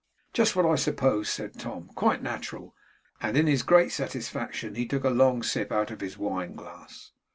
'Just what I supposed,' said Tom. 'Quite natural!' and, in his great satisfaction, he took a long sip out of his wine glass.